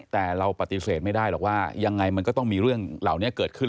แต่เราปฏิเสธไม่ได้หรอกว่ายังไงมันก็ต้องมีเรื่องเหล่านี้เกิดขึ้น